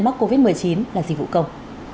mắc covid một mươi chín là gì vụ cầu